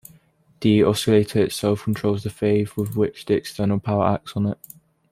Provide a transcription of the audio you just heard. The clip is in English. The oscillator itself controls the phase with which the external power acts on it.